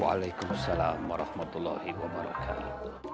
waalaikumsalam warahmatullahi wabarakatuh